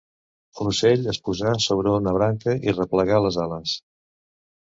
L'ocell es posà sobre una branca i replegà les ales.